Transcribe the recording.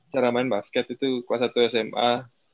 cara main basket itu kelas satu sma